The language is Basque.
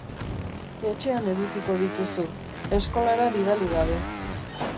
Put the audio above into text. Etxean edukiko dituzu, eskolara bidali gabe.